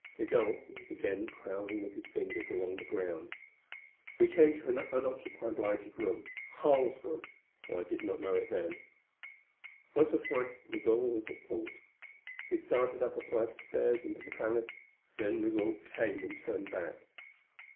Migul was again prowling with his fingers along the ground. We came to an unoccupied lighted room Harl's room, though I did not know it then. Once or twice Migul was at fault. We started up a flight of stairs into the palace, then Migul came and turned back.